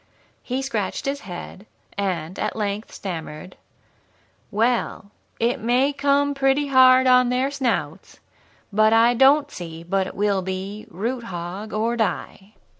He scratched his head, and at length stammered: "'Well, it may come pretty hard on their snouts, but I don't see but it will be "Root, hog, or, die!"'"